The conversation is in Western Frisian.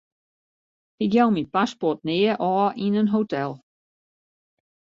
Ik jou myn paspoart nea ôf yn in hotel.